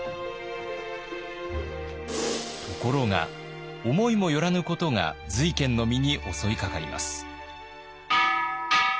ところが思いも寄らぬことが瑞賢の身に襲いかかります。